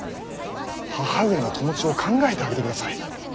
義母上の気持ちを考えてあげてください。